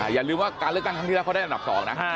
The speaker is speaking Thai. อย่าลืมว่าการเลือกตั้งครั้งที่แล้วเขาได้อันดับ๒นะ